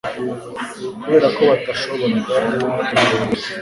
kubera ko batashoboraga kureba imbere